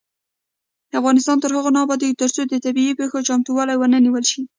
افغانستان تر هغو نه ابادیږي، ترڅو د طبيعي پیښو چمتووالی ونه نیول شي.